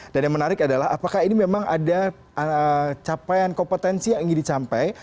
dan yang menarik adalah apakah ini memang ada capaian kompetensi yang ingin dicampai